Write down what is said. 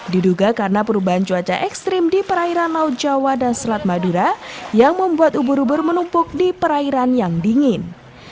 diduga karena perubahan cuaca ekstrim di perairan laut jawa dan selat madura yang membuat ubur ubur menumpuk di perairan yang dingin